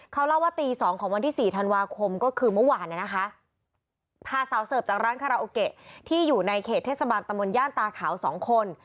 เขาเล่าว่าตีสองของวันที่สี่ธันวาคมก็คือเมื่อวานนะคะพาสาวเสิร์ฟจากร้านคาราโอเกะที่อยู่ในเขตเทศบาลตะมนตย่านตาขาวสองคน